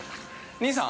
兄さん？